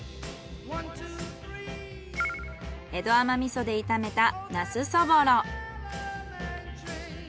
江戸甘味噌で炒めたナスそぼろ。